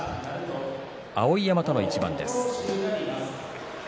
碧山との一番です。